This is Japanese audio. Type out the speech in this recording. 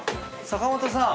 坂本さん。